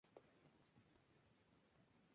Formó parte del vizcondado de Castellbó.